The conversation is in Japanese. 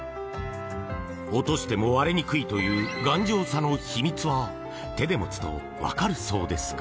落としても割れにくいという頑丈さの秘密は手で持つとわかるそうですが。